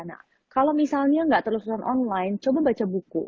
nah kalau misalnya gak terus online coba baca buku